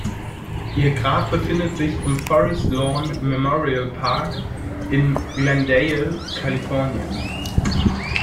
Ihr Grab befindet sich im Forest Lawn Memorial Park in Glendale, Kalifornien.